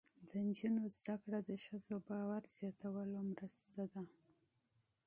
د نجونو تعلیم د ښځو باور زیاتولو مرسته ده.